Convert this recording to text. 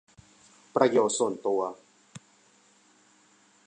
ประโยชน์ส่วนตัว